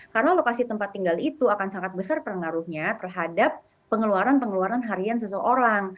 karena lokasi tempat tinggal itu akan sangat besar pengaruhnya terhadap pengeluaran pengeluaran harian seseorang